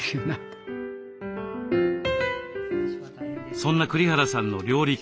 そんな栗原さんの料理開発。